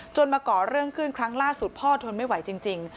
มาก่อเรื่องขึ้นครั้งล่าสุดพ่อทนไม่ไหวจริง